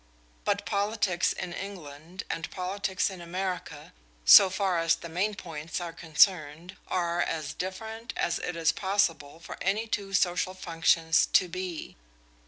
But politics in England and politics in America, so far as the main points are concerned, are as different as it is possible for any two social functions to be.